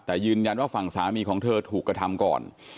แต่ยืนยันว่าฝั่งสามีของเธอถูกกระทำก่อน